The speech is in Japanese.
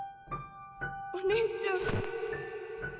「お姉ちゃん」。